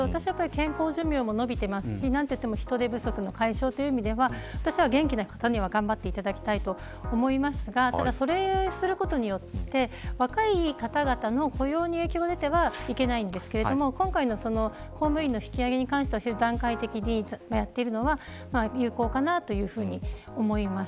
私は、健康寿命も延びていますし何と言っても人手不足の解消という意味では元気な方には頑張っていただきたいと思いますがただ、それをすることによって若い方々の雇用に影響が出てはいけないんですけれども今回の公務員の引き上げに関しては段階的にやっているのは有効かなと思います。